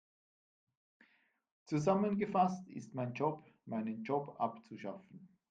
Zusammengefasst ist mein Job, meinen Job abzuschaffen.